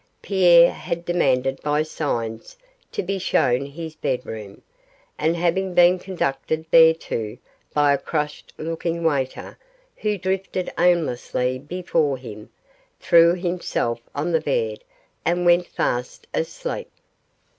Pierre had demanded by signs to be shown his bedroom, and having been conducted thereto by a crushed looking waiter, who drifted aimlessly before him, threw himself on the bed and went fast asleep.